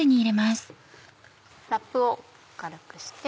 ラップを軽くして。